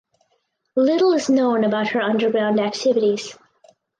Little is known about her underground activities.